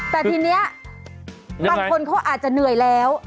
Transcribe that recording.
แต่ทีนี้บางคนเขาอาจจะเหนื่อยแล้ว